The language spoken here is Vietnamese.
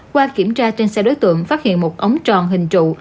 qua kiểm tra trên xe đối tượng phát hiện một ống tròn hình trụ